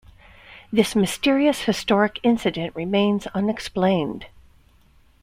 This mysterious historic incident remains unexplained.